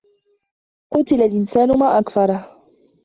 قُتِلَ الإِنسَانُ مَا أَكْفَرَهُ